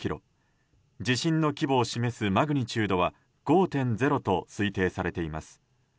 地震の規模を示すマグニチュードは５．０と推定されています。